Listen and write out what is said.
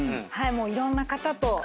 もういろんな方と。